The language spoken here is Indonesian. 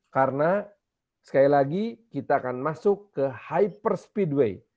karena sekali lagi kita akan masuk ke hyper speedway